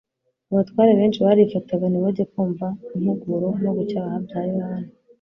Abatware benshi barifataga ntibajye kumva impuguro no gucyaha bya Yohana,